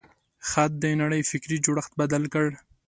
خط د نړۍ فکري جوړښت بدل کړ.